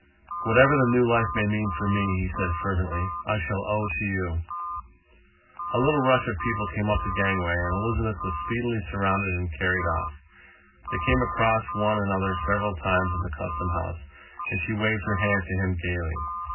"Whatever the new life may mean for me," he said fervently, "I shall owe to you." A little rush of people came up the gangway, and Elizabeth was speedily surrounded and carried off. They came across one another several times in the Custom House, and she waved her hand to him gaily.